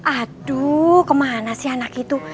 aduh kemana si anak itu